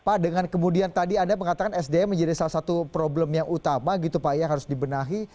pak dengan kemudian tadi anda mengatakan sdm menjadi salah satu problem yang utama gitu pak yang harus dibenahi